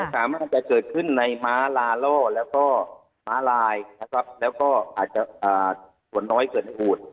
อาจจะเกิดขึ้นในม้าลาล่อแล้วก็ม้าลายนะครับแล้วก็อาจจะส่วนน้อยเกิดหูด